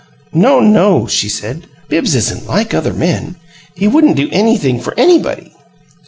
"No, no," she said. "Bibbs isn't like other men he would do anything for anybody."